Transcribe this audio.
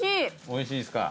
おいしいですか。